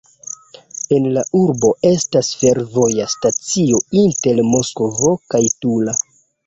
En la urbo estas fervoja stacio inter Moskvo kaj Tula.